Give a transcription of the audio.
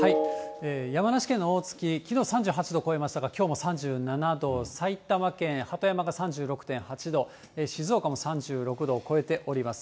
山梨県の大月、きのう３８度超えましたが、きょうも３７度、埼玉県鳩山が３６．８度、静岡も３６度を超えております。